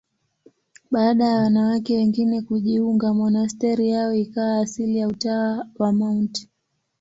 Baada ya wanawake wengine kujiunga, monasteri yao ikawa asili ya Utawa wa Mt.